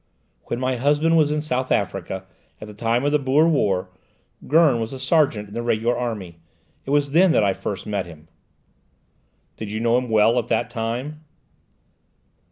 "When my husband was in South Africa, at the time of the Boer War, Gurn was a sergeant in the regular army. It was then that I first met him." "Did you know him well at that time?"